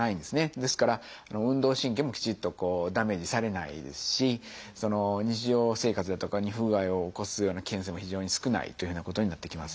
ですから運動神経もきちっとダメージされないですし日常生活だとかに不具合を起こすようなケースも非常に少ないというふうなことになってきます。